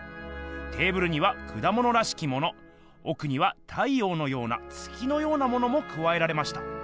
テーブルにはくだものらしきものおくには太ようのような月のようなのもくわえられました。